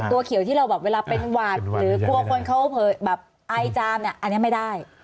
ตัวเขียวที่เราเวลาเป็นหวัดหรือกลัวคนเขาไอจามนี่อันนี้ไม่ได้